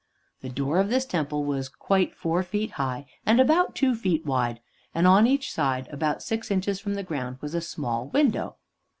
The door of this temple was quite four feet high and about two feet wide, and on each side, about six inches from the ground, was a small window.